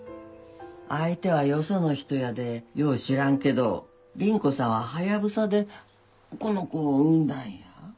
相手はよその人やでよう知らんけど倫子さんはハヤブサでこの子を産んだんや。